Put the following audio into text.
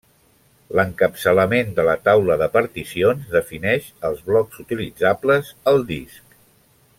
L'encapçalament de la taula de particions defineix els blocs utilitzables al disc.